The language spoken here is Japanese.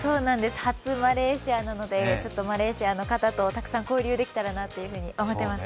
初マレーシアなのでマレーシアの方とたくさん交流できたらなと思っています。